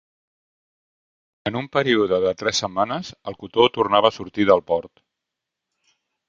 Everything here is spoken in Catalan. En un període de tres setmanes, el cotó tornava a sortir del port.